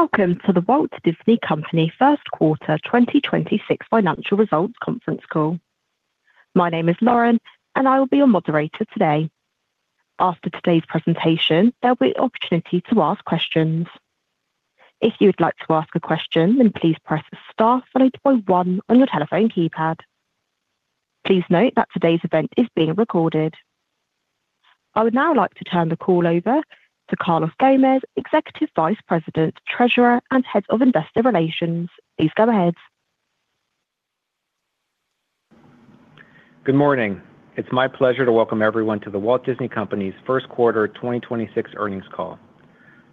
Welcome to The Walt Disney Company First Quarter 2026 Financial Results Conference Call. My name is Lauren, and I will be your moderator today. After today's presentation, there will be an opportunity to ask questions. If you would like to ask a question, then please press STAR followed by 1 on your telephone keypad. Please note that today's event is being recorded. I would now like to turn the call over to Carlos Gómez, Executive Vice President, Treasurer, and Head of Investor Relations. Please go ahead. Good morning. It's my pleasure to welcome everyone to the Walt Disney Company's First Quarter 2026 Earnings Call.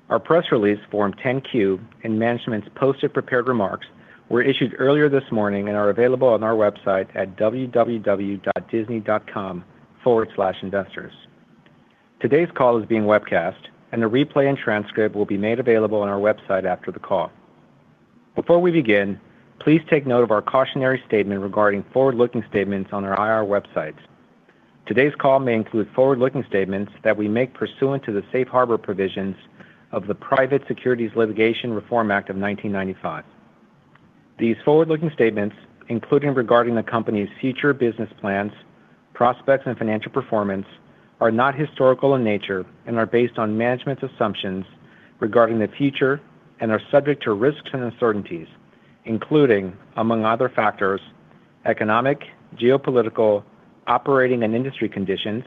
Our press release, Form 10-Q, and management's posted prepared remarks were issued earlier this morning and are available on our website at www.disney.com/investors. Today's call is being webcast, and the replay and transcript will be made available on our website after the call. Before we begin, please take note of our cautionary statement regarding forward-looking statements on our IR websites. Today's call may include forward-looking statements that we make pursuant to the Safe Harbor provisions of the Private Securities Litigation Reform Act of 1995. These forward-looking statements, including regarding the company's future business plans, prospects, and financial performance, are not historical in nature and are based on management's assumptions regarding the future and are subject to risks and uncertainties, including, among other factors, economic, geopolitical, operating and industry conditions,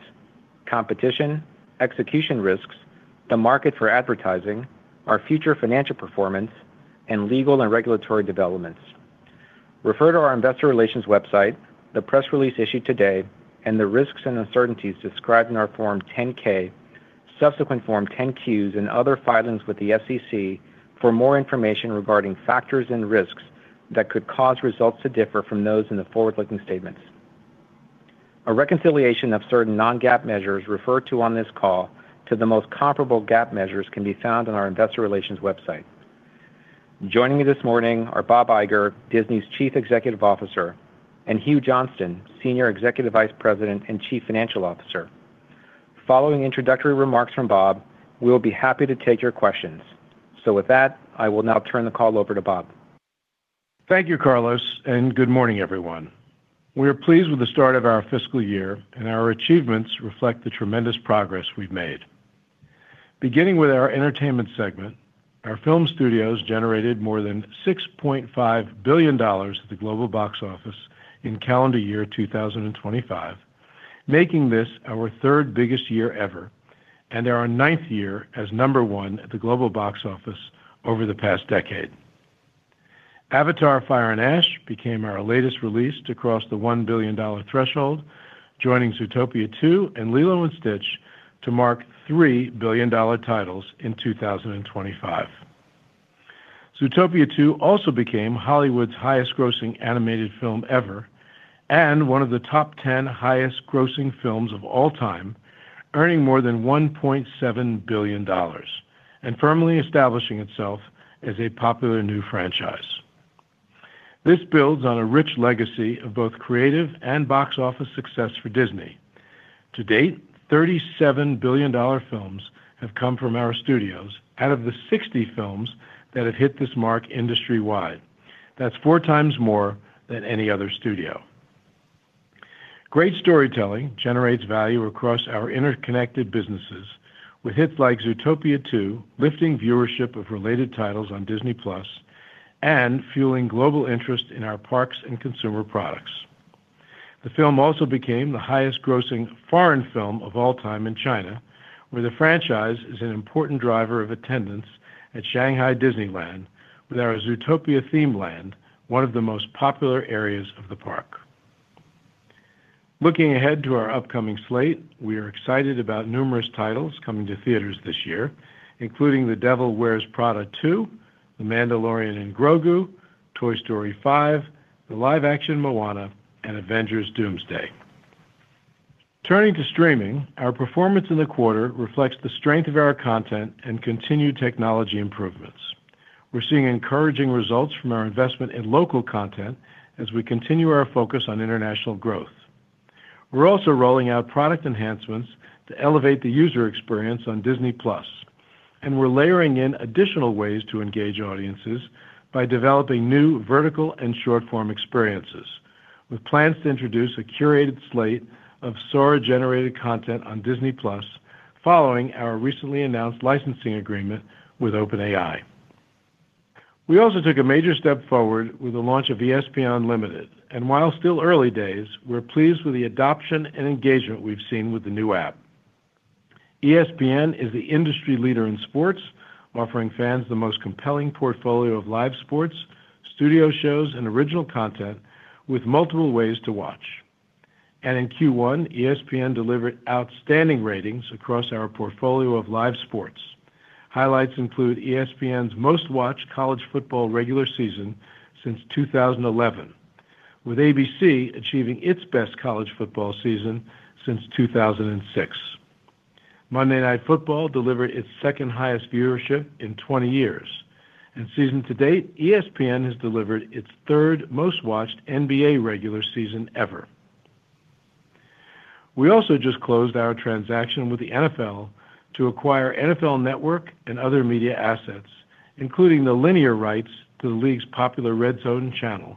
competition, execution risks, the market for advertising, our future financial performance, and legal and regulatory developments. Refer to our investor relations website, the press release issued today, and the risks and uncertainties described in our Form 10-K, subsequent Form 10-Qs, and other filings with the SEC for more information regarding factors and risks that could cause results to differ from those in the forward-looking statements. A reconciliation of certain non-GAAP measures referred to on this call to the most comparable GAAP measures can be found on our investor relations website. Joining me this morning are Bob Iger, Disney's Chief Executive Officer, and Hugh Johnston, Senior Executive Vice President and Chief Financial Officer. Following introductory remarks from Bob, we will be happy to take your questions. With that, I will now turn the call over to Bob. Thank you, Carlos, and good morning, everyone. We are pleased with the start of our fiscal year, and our achievements reflect the tremendous progress we've made. Beginning with our entertainment segment, our film studios generated more than $6.5 billion at the global box office in calendar year 2025, making this our third biggest year ever and our ninth year as number one at the global box office over the past decade. Avatar: Fire and Ash became our latest release to cross the $1 billion threshold, joining Zootopia 2 and Lilo & Stitch to mark $3 billion titles in 2025. Zootopia 2 also became Hollywood's highest-grossing animated film ever and one of the top 10 highest-grossing films of all time, earning more than $1.7 billion and firmly establishing itself as a popular new franchise. This builds on a rich legacy of both creative and box office success for Disney. To date, 37 billion-dollar films have come from our studios out of the 60 films that have hit this mark industry-wide. That's four times more than any other studio. Great storytelling generates value across our interconnected businesses, with hits like Zootopia 2 lifting viewership of related titles on Disney+ and fueling global interest in our parks and consumer products. The film also became the highest-grossing foreign film of all time in China, where the franchise is an important driver of attendance at Shanghai Disneyland, with our Zootopia theme land one of the most popular areas of the park. Looking ahead to our upcoming slate, we are excited about numerous titles coming to theaters this year, including The Devil Wears Prada 2, The Mandalorian and Grogu, Toy Story 5, the live-action Moana, and Avengers: Doomsday. Turning to streaming, our performance in the quarter reflects the strength of our content and continued technology improvements. We're seeing encouraging results from our investment in local content as we continue our focus on international growth. We're also rolling out product enhancements to elevate the user experience on Disney+, and we're layering in additional ways to engage audiences by developing new vertical and short-form experiences, with plans to introduce a curated slate of Sora-generated content on Disney+ following our recently announced licensing agreement with OpenAI. We also took a major step forward with the launch of ESPN Unlimited, and while still early days, we're pleased with the adoption and engagement we've seen with the new app. ESPN is the industry leader in sports, offering fans the most compelling portfolio of live sports, studio shows, and original content with multiple ways to watch. In Q1, ESPN delivered outstanding ratings across our portfolio of live sports. Highlights include ESPN's most-watched college football regular season since 2011, with ABC achieving its best college football season since 2006. Monday Night Football delivered its second-highest viewership in 20 years, and season to date, ESPN has delivered its third most-watched NBA regular season ever. We also just closed our transaction with the NFL to acquire NFL Network and other media assets, including the linear rights to the league's popular RedZone channel,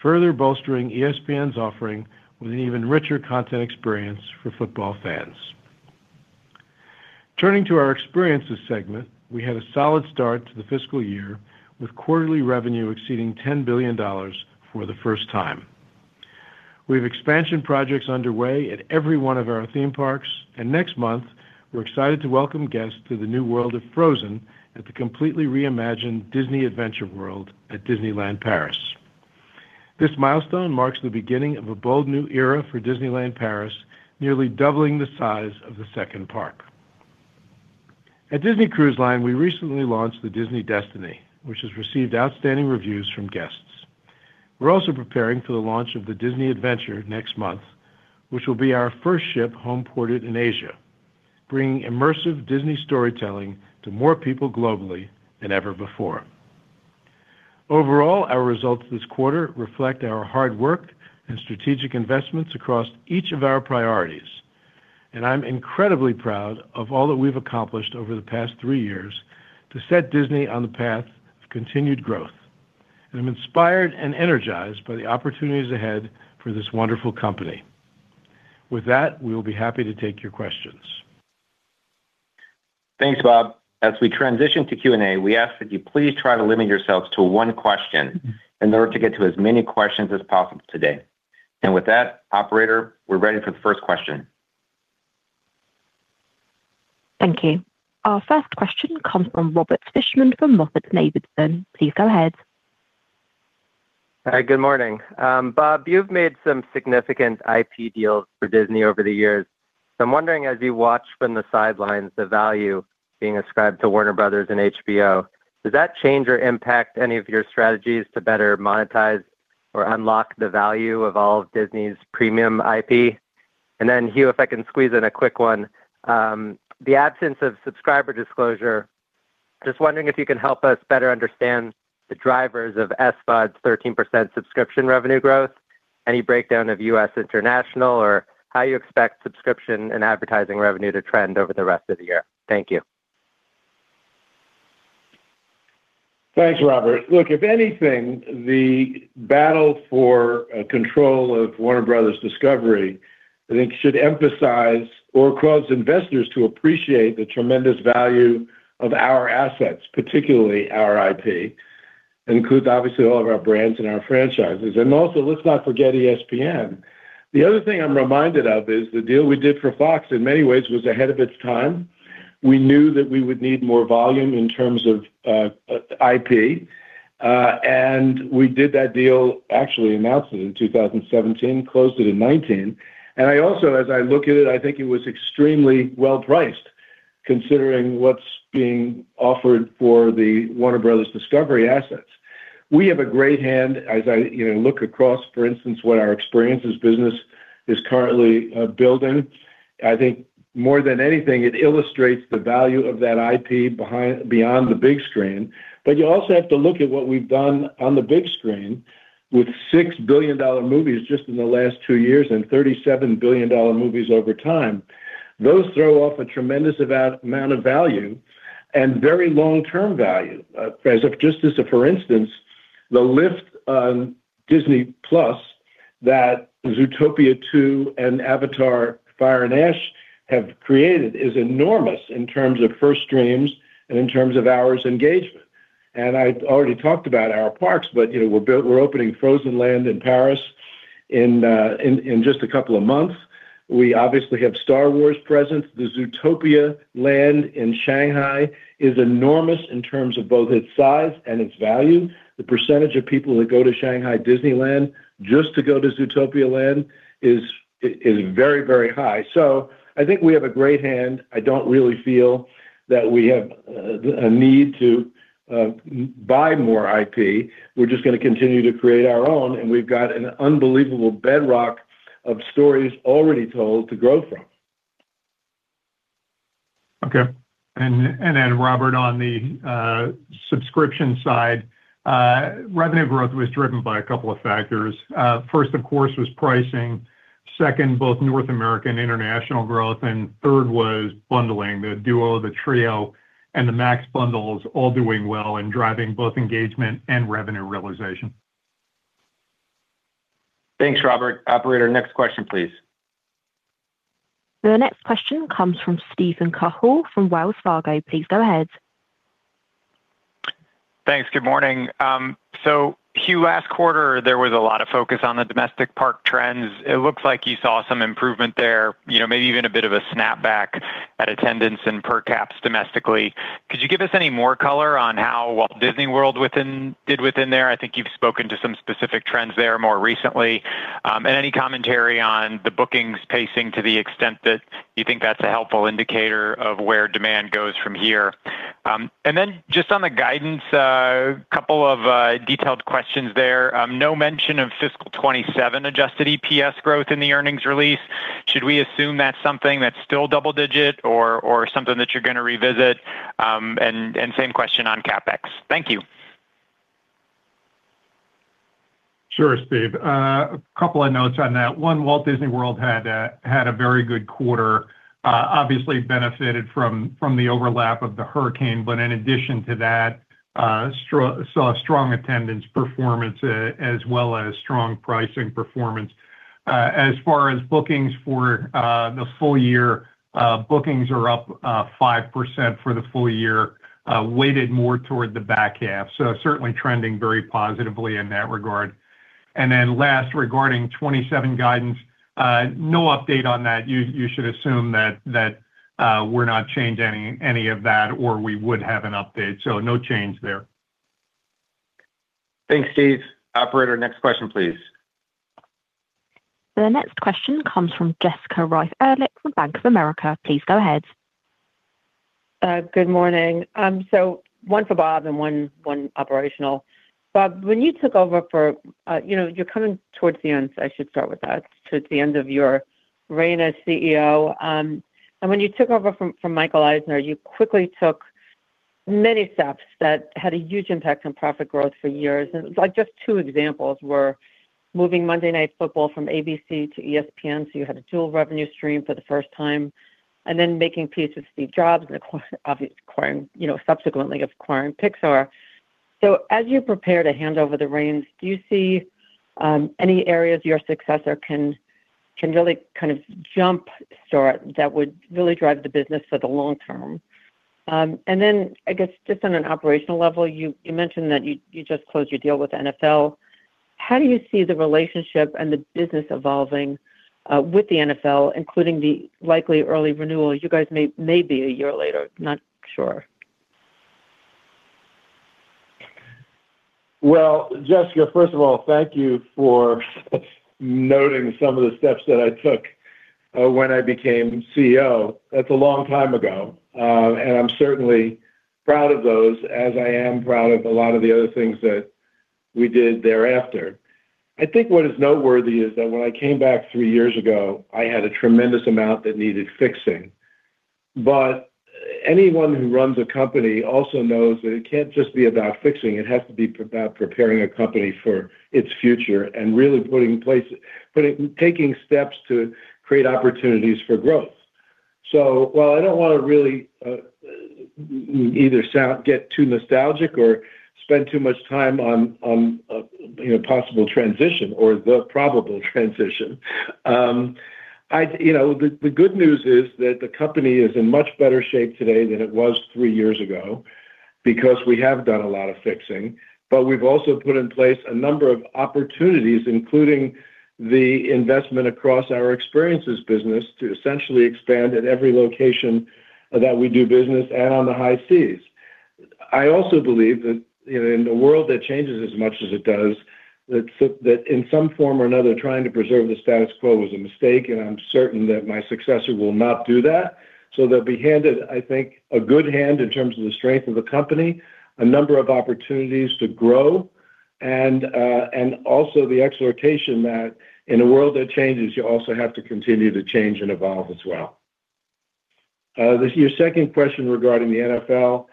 further bolstering ESPN's offering with an even richer content experience for football fans. Turning to our experiences segment, we had a solid start to the fiscal year, with quarterly revenue exceeding $10 billion for the first time. We have expansion projects underway at every one of our theme parks, and next month, we're excited to welcome guests to the new World of Frozen at the completely reimagined Disney Adventure World at Disneyland Paris. This milestone marks the beginning of a bold new era for Disneyland Paris, nearly doubling the size of the second park. At Disney Cruise Line, we recently launched the Disney Destiny, which has received outstanding reviews from guests. We're also preparing for the launch of the Disney Adventure next month, which will be our first ship home-ported in Asia, bringing immersive Disney storytelling to more people globally than ever before. Overall, our results this quarter reflect our hard work and strategic investments across each of our priorities, and I'm incredibly proud of all that we've accomplished over the past three years to set Disney on the path of continued growth. I'm inspired and energized by the opportunities ahead for this wonderful company. With that, we will be happy to take your questions. Thanks, Bob. As we transition to Q&A, we ask that you please try to limit yourselves to one question in order to get to as many questions as possible today. With that, operator, we're ready for the first question. Thank you. Our first question comes from Robert Fishman from MoffettNathanson. Please go ahead. Hi, good morning. Bob, you've made some significant IP deals for Disney over the years. So I'm wondering, as you watch from the sidelines, the value being ascribed to Warner Bros. and HBO, does that change or impact any of your strategies to better monetize or unlock the value of all of Disney's premium IP? And then, Hugh, if I can squeeze in a quick one, the absence of subscriber disclosure, just wondering if you can help us better understand the drivers of SVOD's 13% subscription revenue growth, any breakdown of U.S. international, or how you expect subscription and advertising revenue to trend over the rest of the year. Thank you. Thanks, Robert. Look, if anything, the battle for control of Warner Bros. Discovery, I think, should emphasize or cause investors to appreciate the tremendous value of our assets, particularly our IP, and include, obviously, all of our brands and our franchises. And also, let's not forget ESPN. The other thing I'm reminded of is the deal we did for Fox, in many ways, was ahead of its time. We knew that we would need more volume in terms of IP, and we did that deal, actually announced it in 2017, closed it in 2019. And also, as I look at it, I think it was extremely well-priced, considering what's being offered for the Warner Bros. Discovery assets. We have a great hand as I look across, for instance, what our Experiences business is currently building. I think more than anything, it illustrates the value of that IP beyond the big screen. But you also have to look at what we've done on the big screen with $6 billion movies just in the last two years and $37 billion movies over time. Those throw off a tremendous amount of value and very long-term value. Just as a for instance, the lift on Disney+ that Zootopia 2 and Avatar: Fire and Ash have created is enormous in terms of first streams and in terms of our engagement. And I already talked about our parks, but we're opening Frozen Land in Paris in just a couple of months. We obviously have Star Wars present. The Zootopia Land in Shanghai is enormous in terms of both its size and its value. The percentage of people that go to Shanghai Disneyland just to go to Zootopia Land is very, very high. So I think we have a great hand. I don't really feel that we have a need to buy more IP. We're just going to continue to create our own, and we've got an unbelievable bedrock of stories already told to grow from. Okay. And then, Robert, on the subscription side, revenue growth was driven by a couple of factors. First, of course, was pricing. Second, both North American and international growth. Third was bundling, the Duo, the Trio, and the Max bundles all doing well and driving both engagement and revenue realization. Thanks, Robert. Operator, next question, please. The next question comes from Steven Cahall from Wells Fargo. Please go ahead. Thanks. Good morning. So, Hugh, last quarter, there was a lot of focus on the domestic park trends. It looks like you saw some improvement there, maybe even a bit of a snapback at attendance and per caps domestically. Could you give us any more color on how Walt Disney World did within there? I think you've spoken to some specific trends there more recently. And any commentary on the bookings pacing to the extent that you think that's a helpful indicator of where demand goes from here? And then just on the guidance, a couple of detailed questions there. No mention of fiscal 2027 adjusted EPS growth in the earnings release. Should we assume that's something that's still double-digit or something that you're going to revisit? And same question on CapEx. Thank you. Sure, Steve. A couple of notes on that. One, Walt Disney World had a very good quarter, obviously benefited from the overlap of the hurricane, but in addition to that, saw strong attendance performance as well as strong pricing performance. As far as bookings for the full year, bookings are up 5% for the full year, weighted more toward the back half. So certainly trending very positively in that regard. And then last, regarding 2027 guidance, no update on that. You should assume that we're not changing any of that or we would have an update. So no change there. Thanks, Steve. Operator, next question, please. The next question comes from Jessica Reif Ehrlich from Bank of America. Please go ahead. Good morning. So one for Bob and one operational. Bob, when you took over, you're coming towards the end, I should start with that, towards the end of your reign as CEO. And when you took over from Michael Eisner, you quickly took many steps that had a huge impact on profit growth for years. And just two examples were moving Monday Night Football from ABC to ESPN, so you had a dual revenue stream for the first time, and then making peace with Steve Jobs and subsequently acquiring Pixar. So as you prepare to hand over the reins, do you see any areas your successor can really kind of jump start that would really drive the business for the long term? And then, I guess, just on an operational level, you mentioned that you just closed your deal with NFL. How do you see the relationship and the business evolving with the NFL, including the likely early renewal? You guys may be a year later. Not sure. Well, Jessica, first of all, thank you for noting some of the steps that I took when I became CEO. That's a long time ago, and I'm certainly proud of those as I am proud of a lot of the other things that we did thereafter. I think what is noteworthy is that when I came back three years ago, I had a tremendous amount that needed fixing. But anyone who runs a company also knows that it can't just be about fixing. It has to be about preparing a company for its future and really taking steps to create opportunities for growth. So while I don't want to really either get too nostalgic or spend too much time on possible transition or the probable transition, the good news is that the company is in much better shape today than it was three years ago because we have done a lot of fixing. But we've also put in place a number of opportunities, including the investment across our experiences business to essentially expand at every location that we do business and on the high seas. I also believe that in a world that changes as much as it does, that in some form or another, trying to preserve the status quo was a mistake, and I'm certain that my successor will not do that. So they'll be handed, I think, a good hand in terms of the strength of the company, a number of opportunities to grow, and also the exploitation that in a world that changes, you also have to continue to change and evolve as well. Your second question regarding the NFL,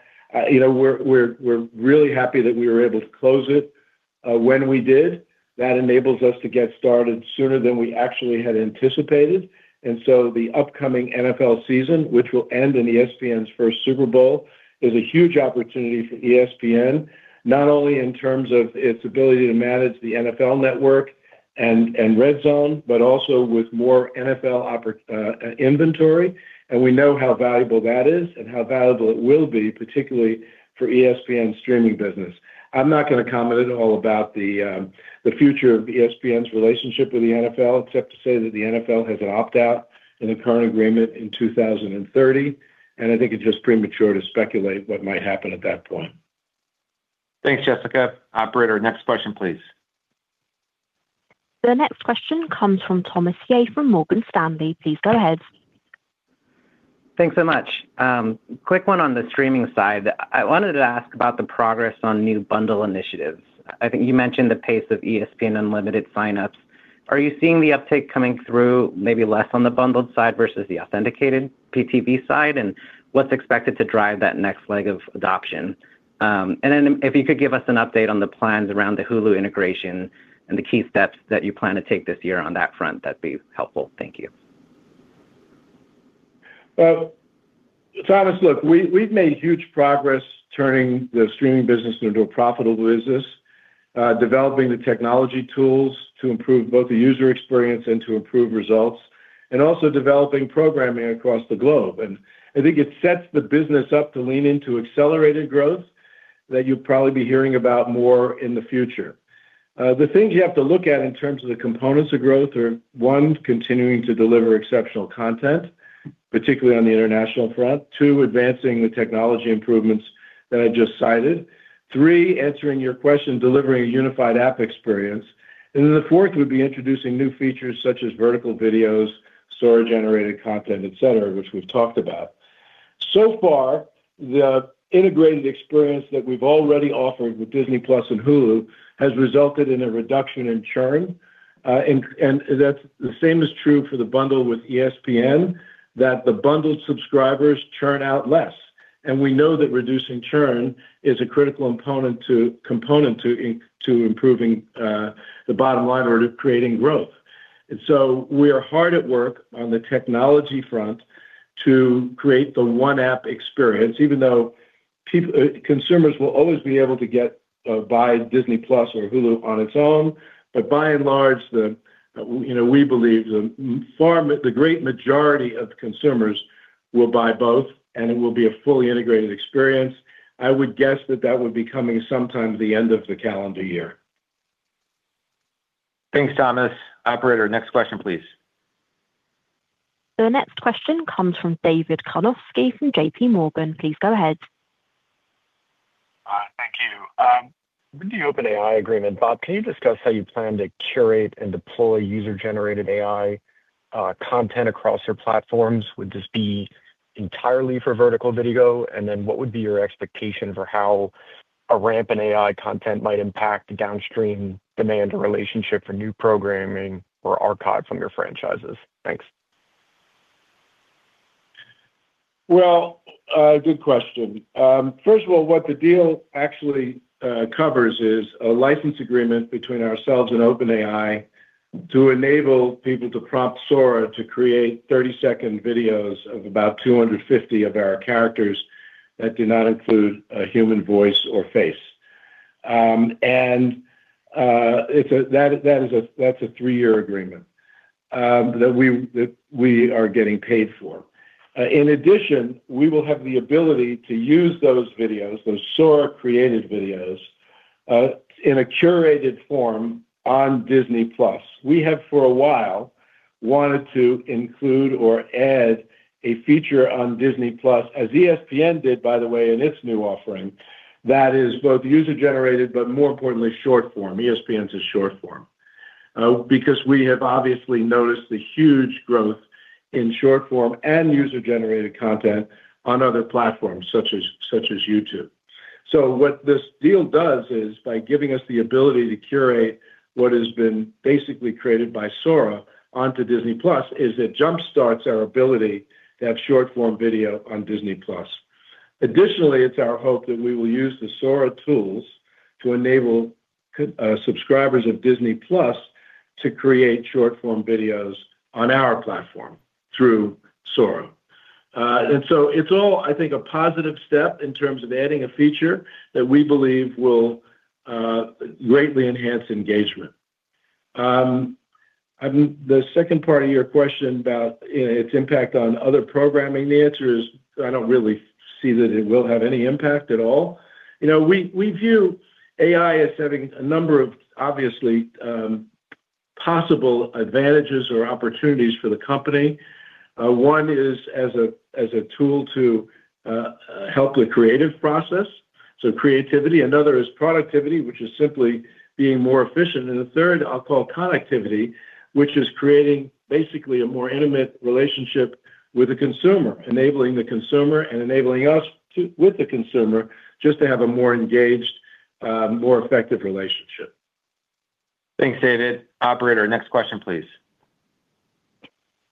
we're really happy that we were able to close it when we did. That enables us to get started sooner than we actually had anticipated. And so the upcoming NFL season, which will end in ESPN's first Super Bowl, is a huge opportunity for ESPN, not only in terms of its ability to manage the NFL Network and RedZone, but also with more NFL inventory. And we know how valuable that is and how valuable it will be, particularly for ESPN's streaming business. I'm not going to comment at all about the future of ESPN's relationship with the NFL, except to say that the NFL has an opt-out in the current agreement in 2030, and I think it's just premature to speculate what might happen at that point. Thanks, Jessica. Operator, next question, please. The next question comes from Thomas Yeh from Morgan Stanley. Please go ahead. Thanks so much. Quick one on the streaming side. I wanted to ask about the progress on new bundle initiatives. I think you mentioned the pace of ESPN Unlimited signups. Are you seeing the uptake coming through maybe less on the bundled side versus the authenticated PTV side, and what's expected to drive that next leg of adoption? And then if you could give us an update on the plans around the Hulu integration and the key steps that you plan to take this year on that front, that'd be helpful. Thank you. Thomas, look, we've made huge progress turning the streaming business into a profitable business, developing the technology tools to improve both the user experience and to improve results, and also developing programming across the globe. And I think it sets the business up to lean into accelerated growth that you'll probably be hearing about more in the future. The things you have to look at in terms of the components of growth are, one, continuing to deliver exceptional content, particularly on the international front. Two, advancing the technology improvements that I just cited. Three, answering your question, delivering a unified app experience. And then the fourth would be introducing new features such as vertical videos, Sora-generated content, etc., which we've talked about. So far, the integrated experience that we've already offered with Disney+ and Hulu has resulted in a reduction in churn. That's the same is true for the bundle with ESPN, that the bundled subscribers churn out less. We know that reducing churn is a critical component to improving the bottom line or creating growth. So we are hard at work on the technology front to create the one-app experience, even though consumers will always be able to buy Disney+ or Hulu on its own. By and large, we believe the great majority of consumers will buy both, and it will be a fully integrated experience. I would guess that that would be coming sometime at the end of the calendar year. Thanks, Thomas. Operator, next question, please. The next question comes from David Karnovsky from J.P. Morgan. Please go ahead. Thank you. With the OpenAI agreement? Bob, can you discuss how you plan to curate and deploy user-generated AI content across your platforms? Would this be entirely for vertical video? And then what would be your expectation for how a ramp in AI content might impact downstream demand or relationship for new programming or archive from your franchises? Thanks. Well, good question. First of all, what the deal actually covers is a license agreement between ourselves and OpenAI to enable people to prompt Sora to create 30-second videos of about 250 of our characters that do not include a human voice or face. And that's a 3-year agreement that we are getting paid for. In addition, we will have the ability to use those videos, those Sora-created videos, in a curated form on Disney+. We have, for a while, wanted to include or add a feature on Disney+, as ESPN did, by the way, in its new offering, that is both user-generated but more importantly, short form. ESPN's is short form because we have obviously noticed the huge growth in short form and user-generated content on other platforms such as YouTube. So what this deal does is, by giving us the ability to curate what has been basically created by Sora onto Disney+, is. It jump-starts our ability to have short-form video on Disney+. Additionally, it's our hope that we will use the Sora tools to enable subscribers of Disney+ to create short-form videos on our platform through Sora. And so it's all, I think, a positive step in terms of adding a feature that we believe will greatly enhance engagement. The second part of your question about its impact on other programming, the answer is I don't really see that it will have any impact at all. We view AI as having a number of, obviously, possible advantages or opportunities for the company. One is as a tool to help the creative process, so creativity. Another is productivity, which is simply being more efficient. The third, I'll call connectivity, which is creating basically a more intimate relationship with the consumer, enabling the consumer and enabling us with the consumer just to have a more engaged, more effective relationship. Thanks, David. Operator, next question, please.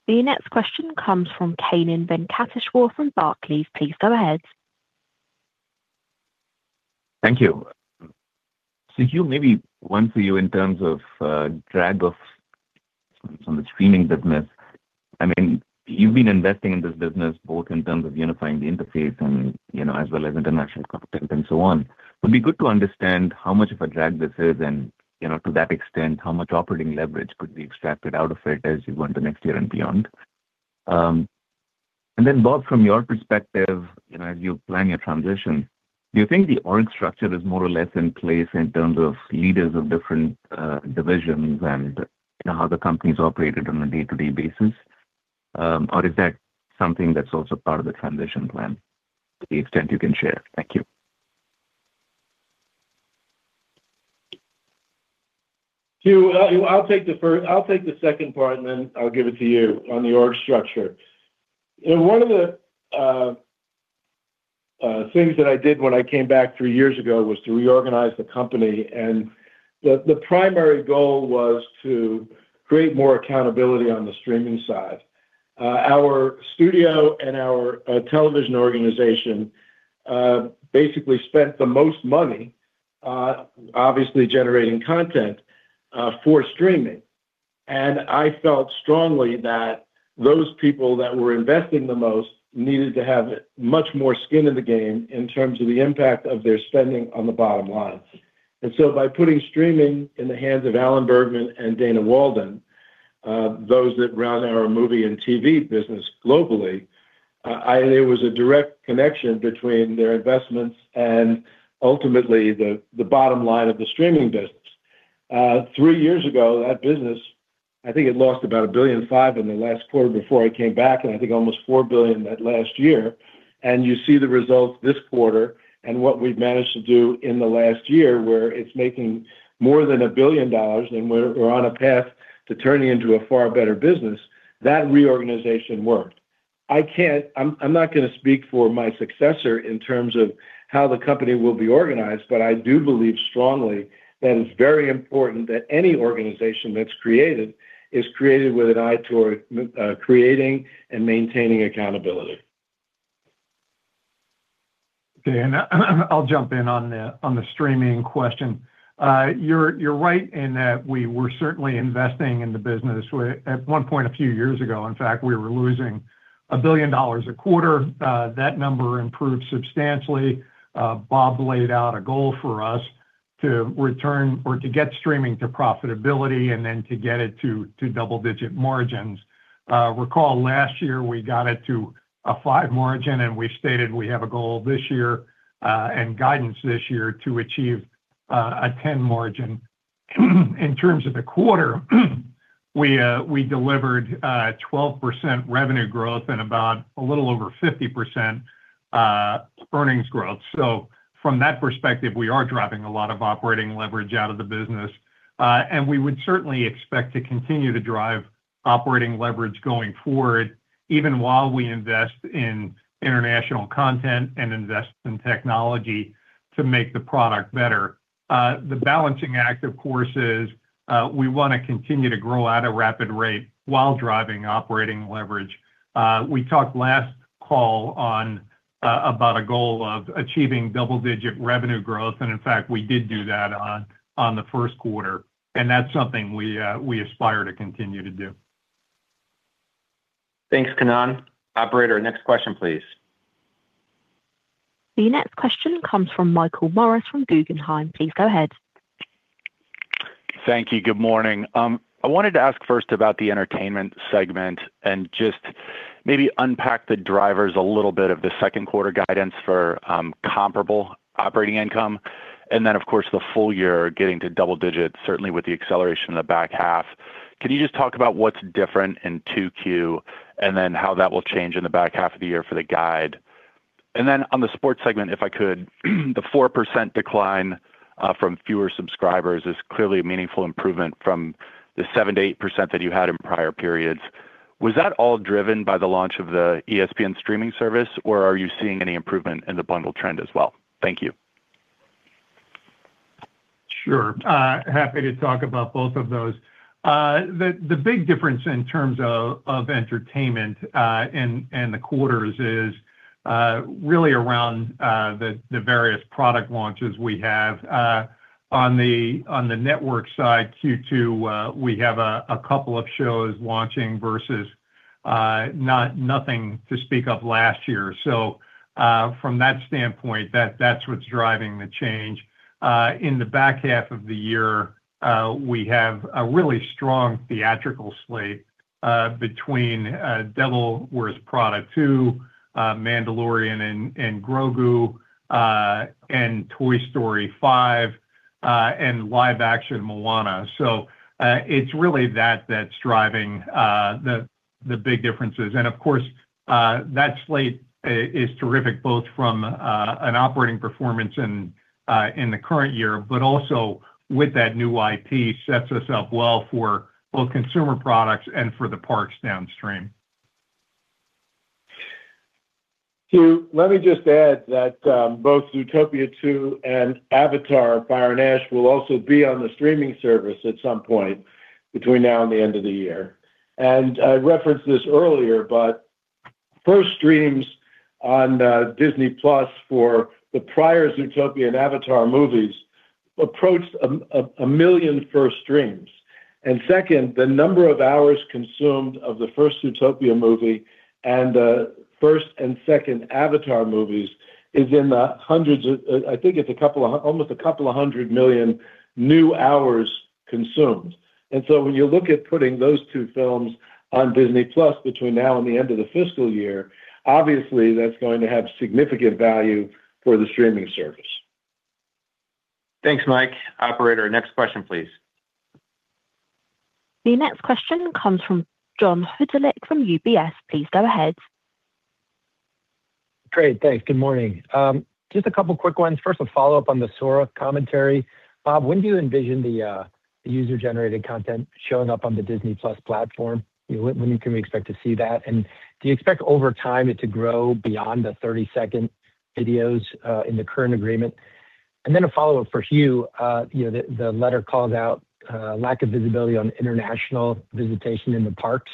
The next question comes from Kannan Venkateshwar from Barclays. Please go ahead. Thank you. So, Hugh, maybe one for you in terms of drag-offs on the streaming business. I mean, you've been investing in this business both in terms of unifying the interface as well as international content and so on. It would be good to understand how much of a drag this is and, to that extent, how much operating leverage could be extracted out of it as you go into next year and beyond. And then, Bob, from your perspective, as you plan your transition, do you think the org structure is more or less in place in terms of leaders of different divisions and how the company's operated on a day-to-day basis, or is that something that's also part of the transition plan to the extent you can share? Thank you. Hugh, I'll take the second part, and then I'll give it to you on the org structure. One of the things that I did when I came back three years ago was to reorganize the company. The primary goal was to create more accountability on the streaming side. Our studio and our television organization basically spent the most money, obviously generating content, for streaming. I felt strongly that those people that were investing the most needed to have much more skin in the game in terms of the impact of their spending on the bottom line. And so by putting streaming in the hands of Alan Bergman and Dana Walden, those that run our movie and TV business globally, there was a direct connection between their investments and, ultimately, the bottom line of the streaming business. 3 years ago, that business, I think it lost about $1.5 billion in the last quarter before I came back, and I think almost $4 billion that last year. And you see the results this quarter and what we've managed to do in the last year where it's making more than $1 billion and we're on a path to turning into a far better business. That reorganization worked. I'm not going to speak for my successor in terms of how the company will be organized, but I do believe strongly that it's very important that any organization that's created is created with an eye toward creating and maintaining accountability. Okay. I'll jump in on the streaming question. You're right in that we were certainly investing in the business. At one point, a few years ago, in fact, we were losing $1 billion a quarter. That number improved substantially. Bob laid out a goal for us to return or to get streaming to profitability and then to get it to double-digit margins. Recall last year, we got it to a 5% margin, and we stated we have a goal this year and guidance this year to achieve a 10% margin. In terms of the quarter, we delivered 12% revenue growth and about a little over 50% earnings growth. So from that perspective, we are driving a lot of operating leverage out of the business. We would certainly expect to continue to drive operating leverage going forward, even while we invest in international content and invest in technology to make the product better. The balancing act, of course, is we want to continue to grow at a rapid rate while driving operating leverage. We talked last call about a goal of achieving double-digit revenue growth. In fact, we did do that in the first quarter. That's something we aspire to continue to do. Thanks, Kannan. Operator, next question, please. The next question comes from Michael Morris from Guggenheim. Please go ahead. Thank you. Good morning. I wanted to ask first about the entertainment segment and just maybe unpack the drivers a little bit of the second-quarter guidance for comparable operating income and then, of course, the full year getting to double digits, certainly with the acceleration in the back half. Can you just talk about what's different in 2Q and then how that will change in the back half of the year for the guide? And then on the sports segment, if I could, the 4% decline from fewer subscribers is clearly a meaningful improvement from the 7%-8% that you had in prior periods. Was that all driven by the launch of the ESPN streaming service, or are you seeing any improvement in the bundle trend as well? Thank you. Sure. Happy to talk about both of those. The big difference in terms of entertainment and the quarters is really around the various product launches we have. On the network side, Q2, we have a couple of shows launching versus nothing to speak of last year. So from that standpoint, that's what's driving the change. In the back half of the year, we have a really strong theatrical slate between The Devil Wears Prada 2, The Mandalorian and Grogu, and Toy Story 5, and live-action Moana. So it's really that that's driving the big differences. And of course, that slate is terrific both from an operating performance in the current year but also with that new IP sets us up well for both consumer products and for the parks downstream. Hugh, let me just add that both Zootopia 2 and Avatar: Fire and Ash will also be on the streaming service at some point between now and the end of the year. I referenced this earlier, but first streams on Disney+ for the prior Zootopia and Avatar movies approached 1 million first streams. Second, the number of hours consumed of the first Zootopia movie and first and second Avatar movies is in the hundreds of—I think it's almost a couple of hundred million—hours consumed. So when you look at putting those two films on Disney+ between now and the end of the fiscal year, obviously, that's going to have significant value for the streaming service. Thanks, Mike. Operator, next question, please. The next question comes from John Hodulik from UBS. Please go ahead. Great. Thanks. Good morning. Just a couple of quick ones. First, a follow-up on the Sora commentary. Bob, when do you envision the user-generated content showing up on the Disney+ platform? When can we expect to see that? And do you expect over time it to grow beyond the 30-second videos in the current agreement? And then a follow-up for Hugh. The letter calls out lack of visibility on international visitation in the parks,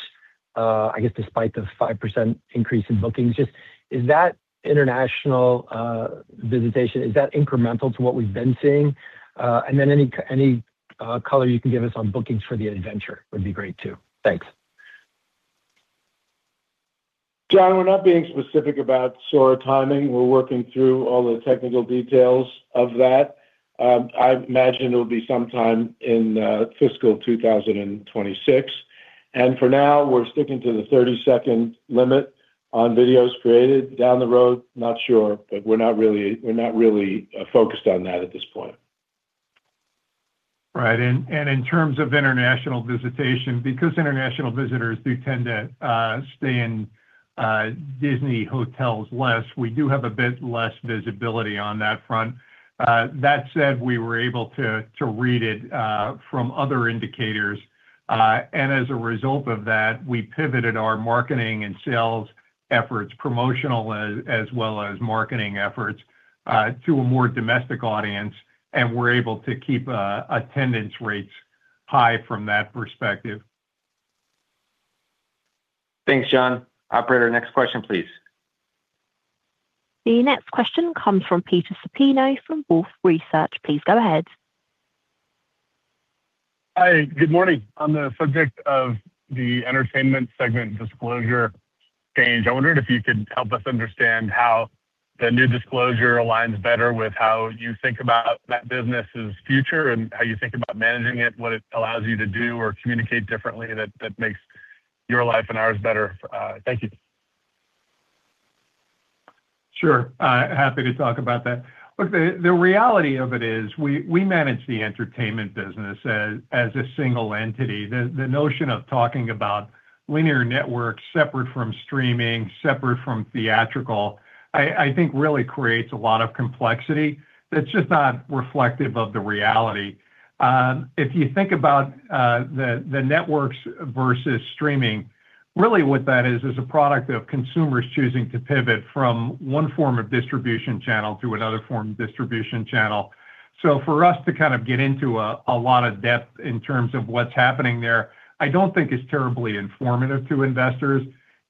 I guess, despite the 5% increase in bookings. Just is that international visitation is that incremental to what we've been seeing? And then any color you can give us on bookings for the adventure would be great too. Thanks. John, we're not being specific about Sora timing. We're working through all the technical details of that. I imagine it'll be sometime in fiscal 2026. And for now, we're sticking to the 30-second limit on videos created. Down the road, not sure, but we're not really focused on that at this point. Right. In terms of international visitation, because international visitors do tend to stay in Disney hotels less, we do have a bit less visibility on that front. That said, we were able to read it from other indicators. As a result of that, we pivoted our marketing and sales efforts, promotional as well as marketing efforts, to a more domestic audience. We're able to keep attendance rates high from that perspective. Thanks, John. Operator, next question, please. The next question comes from Peter Wolfe Research Please go ahead. Hi. Good morning. On the subject of the entertainment segment disclosure change, I wondered if you could help us understand how the new disclosure aligns better with how you think about that business's future and how you think about managing it, what it allows you to do or communicate differently that makes your life and ours better. Thank you. Sure. Happy to talk about that. Look, the reality of it is we manage the entertainment business as a single entity. The notion of talking about linear networks separate from streaming, separate from theatrical, I think, really creates a lot of complexity that's just not reflective of the reality. If you think about the networks versus streaming, really what that is is a product of consumers choosing to pivot from one form of distribution channel to another form of distribution channel. So for us to kind of get into a lot of depth in terms of what's happening there, I don't think it's terribly informative to investors.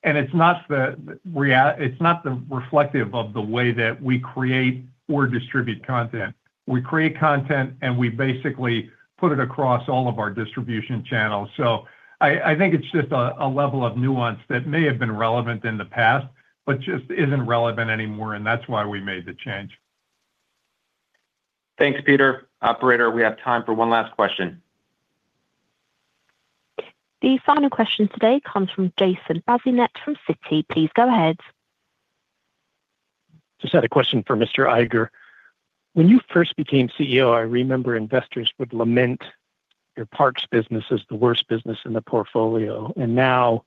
It's not reflective of the way that we create or distribute content. We create content, and we basically put it across all of our distribution channels. I think it's just a level of nuance that may have been relevant in the past but just isn't relevant anymore. That's why we made the change. Thanks, Peter. Operator, we have time for one last question. The final question today comes from Jason Bazinet from Citi. Please go ahead. Just had a question for Mr. Iger. When you first became CEO, I remember investors would lament your parks business as the worst business in the portfolio. And now,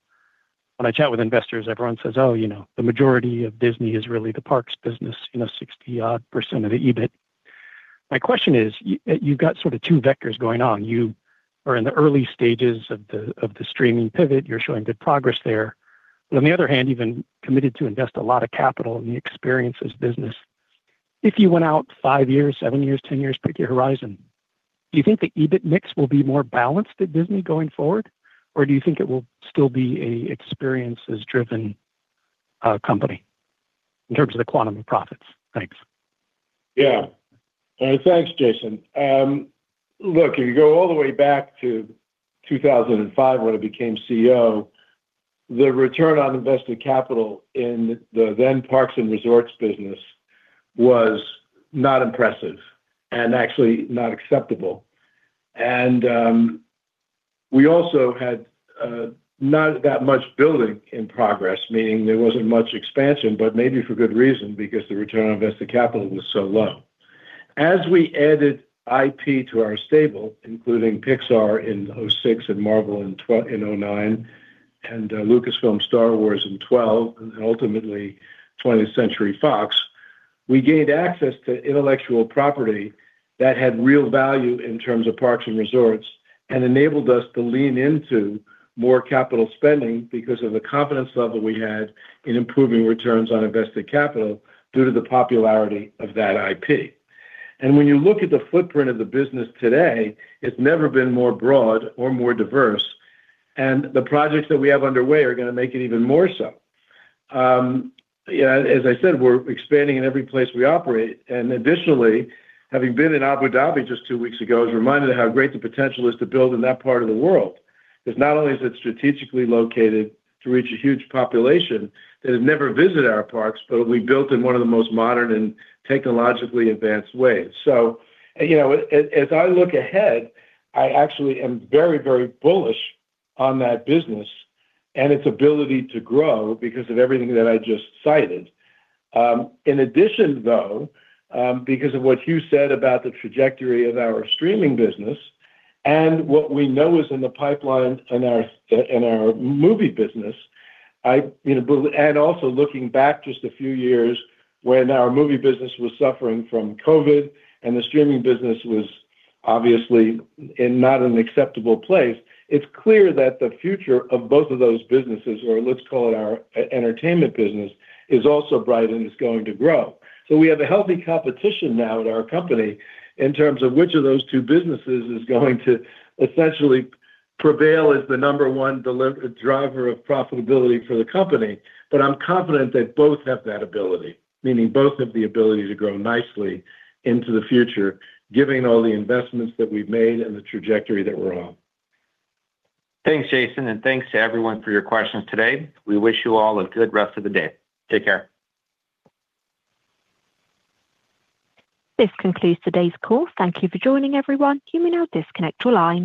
when I chat with investors, everyone says, "Oh, the majority of Disney is really the parks business, 60-odd% of the EBIT." My question is, you've got sort of two vectors going on. You are in the early stages of the streaming pivot. You're showing good progress there. But on the other hand, you've been committed to invest a lot of capital in the experiences business. If you went out 5 years, 7 years, 10 years, pick your horizon, do you think the EBIT mix will be more balanced at Disney going forward, or do you think it will still be an experiences-driven company in terms of the quantum of profits? Thanks. Yeah. All right. Thanks, Jason. Look, if you go all the way back to 2005 when I became CEO, the return on invested capital in the then parks and resorts business was not impressive and actually not acceptable. We also had not that much building in progress, meaning there wasn't much expansion, but maybe for good reason because the return on invested capital was so low. As we added IP to our stable, including Pixar in 2006 and Marvel in 2009 and Lucasfilm Star Wars in 2012 and ultimately Twentieth Century Fox, we gained access to intellectual property that had real value in terms of parks and resorts and enabled us to lean into more capital spending because of the confidence level we had in improving returns on invested capital due to the popularity of that IP. When you look at the footprint of the business today, it's never been more broad or more diverse. The projects that we have underway are going to make it even more so. As I said, we're expanding in every place we operate. Additionally, having been in Abu Dhabi just two weeks ago is a reminder of how great the potential is to build in that part of the world. Because not only is it strategically located to reach a huge population that has never visited our parks, but it'll be built in one of the most modern and technologically advanced ways. As I look ahead, I actually am very, very bullish on that business and its ability to grow because of everything that I just cited. In addition, though, because of what Hugh said about the trajectory of our streaming business and what we know is in the pipeline in our movie business and also looking back just a few years when our movie business was suffering from COVID and the streaming business was obviously in not an acceptable place, it's clear that the future of both of those businesses, or let's call it our entertainment business, is also bright and is going to grow. So we have a healthy competition now at our company in terms of which of those two businesses is going to essentially prevail as the number one driver of profitability for the company. But I'm confident that both have that ability, meaning both have the ability to grow nicely into the future, given all the investments that we've made and the trajectory that we're on. Thanks, Jason. Thanks to everyone for your questions today. We wish you all a good rest of the day. Take care. This concludes today's call. Thank you for joining, everyone. You may now disconnect your line.